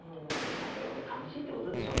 それほど楽しいってことでしょうね。